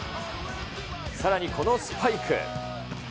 さらにこのスパイク。